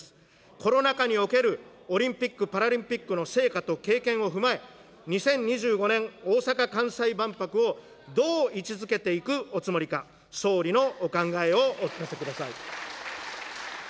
コロナ禍におけるオリンピック・パラリンピックの成果と経験を踏まえ、２０２５年、大阪・関西万博をどう位置づけていくおつもりか、総理のお考えをお聞かせください。